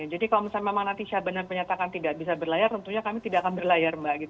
jadi kalau misalnya memang nanti syah bandar menyatakan tidak bisa berlayar tentunya kami tidak akan berlayar mbak